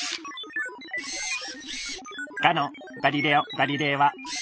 かのガリレオ・ガリレイは。